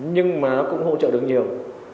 nhưng mà nó cũng hỗ trợ được nhiều